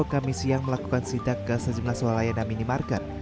kami siang melakukan sidak gas sejumlah sual layanan minimarkan